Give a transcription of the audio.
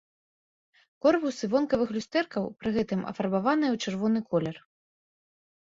Корпусы вонкавых люстэркаў пры гэтым афарбаваныя ў чырвоны колер.